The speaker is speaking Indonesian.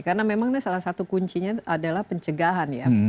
karena memang salah satu kuncinya adalah pencegahan ya